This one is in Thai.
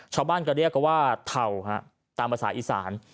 ชาวบ้านก็เรียกกันว่าเทาตามภาษาอีสาน